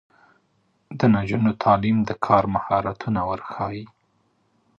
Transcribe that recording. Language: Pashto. د نجونو تعلیم د کار مهارتونه ورښيي.